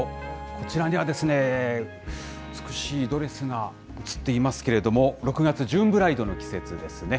こちらには、美しいドレスが映っていますけれども、６月、ジューンブライドの季節ですね。